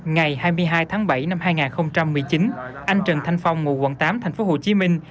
ngày hai mươi hai tháng bảy năm hai nghìn một mươi chín anh trần thanh phong ngụ quận tám thành phố hồ chí minh